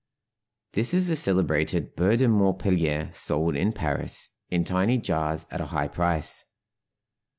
This is the celebrated "beurre de Montpellier" sold in Paris in tiny jars at a high price.